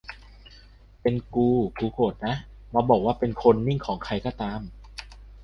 เป็นกูกูโกรธนะ มาบอกว่าเป็นโคลนนิงของใครก็ตาม